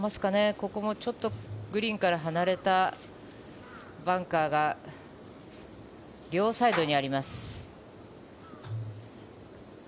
ここもちょっとグリーンから離れたバンカーが両サイドにあります。